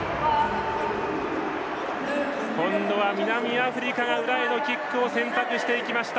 今度は南アフリカが裏へのキックを選択しました。